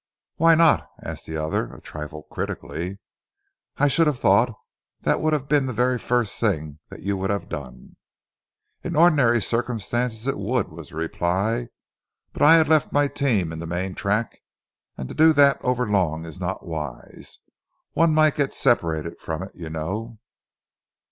"Why not?" asked the other a trifle critically. "I should have thought that would have been the very first thing that you would have done." "In ordinary circumstances it would," was the reply, "but I had left my team in the main track, and to do that overlong is not wise. One might get separated from it, you know.